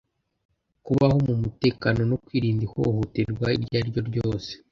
kubaho mu mutekano no kwirinda ihohoterwa iryo ari ryo ryose.